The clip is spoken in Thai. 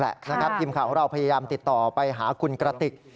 ทีมข่าวของเราพยายามติดต่อไปหาคุณกระติก